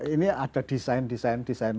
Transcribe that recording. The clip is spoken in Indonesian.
ini ada desain desain desain